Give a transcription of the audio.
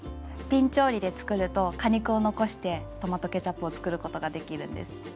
びん調理で作ると果肉を残してトマトケチャップを作ることができるんです。